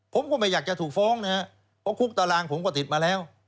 ผมก็ไม่อยากจะถูกฟ้องนะครับเพราะคุกตารางผมก็ติดมาแล้ว